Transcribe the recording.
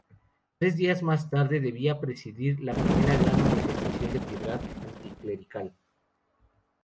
Tres días más tarde debía presidir la primera gran manifestación de piedad anticlerical.